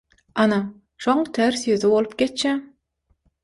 Ana, şoň ters ýüzi bolup geçýär.